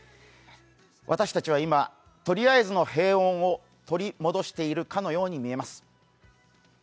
私たちは今、とりあえずの平穏を取り戻しているかのように見えます。